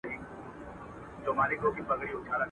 احسان نه مني قانون د زورورو.